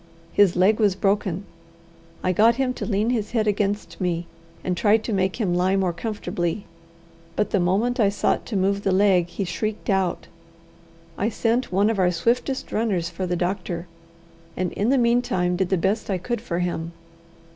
His leg was broken. I got him to lean his head against me, and tried to make him lie more comfortably; but the moment I sought to move the leg he shrieked out. I sent one of our swiftest runners for the doctor, and in the meantime did the best I could for him.